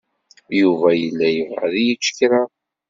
Yuba yella yebɣa ad yečč kra.